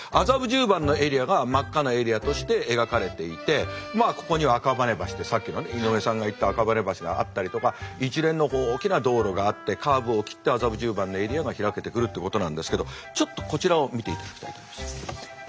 麻布十番のエリアが真っ赤なエリアとして描かれていてまあここには赤羽橋ってさっきのね井上さんが言った赤羽橋があったりとか一連の大きな道路があってカーブを切って麻布十番のエリアが開けてくるってことなんですけどちょっとこちらを見ていただきたいと思います。